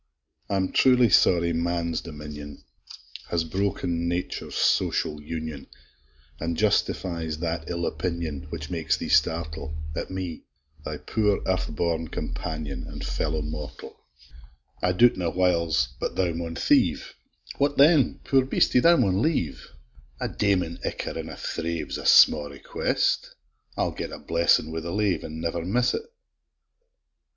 I'm truly sorry man's dominion Has broken nature's social union, An' justifies that ill opinion, Which makes thee startle At me, thy poor earth born companion, An' fellow mortal! I doubt na, whyles, but thou may thieve; What then? poor beastie, thou maun live! A daimen icker in a thrave 'S a sma' request: I'll get a blessin' wi' the lave, And never miss't!